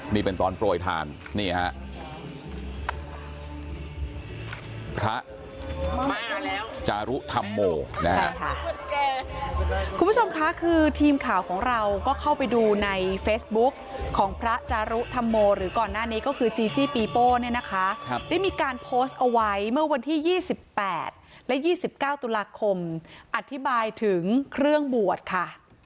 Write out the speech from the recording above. นี่เป็นตอนโปรยทานนี่ฮะพระจารุธัมโมคุณผู้ชมค่ะคือทีมข่าวของเราก็เข้าไปดูในเฟสบุ๊คของพระจารุธัมโมหรือก่อนหน้านี้ก็คือจีจี้ปีโป้เนี่ยนะคะได้มีการโพสเอาไว้เมื่อวันที่๒๘และ๒๙ตุลาคมอธิบายถึงเครื่องบวชค่ะ